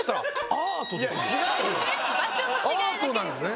アートなんですね？